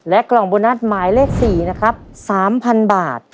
กล่องโบนัสหมายเลข๔นะครับ๓๐๐๐บาท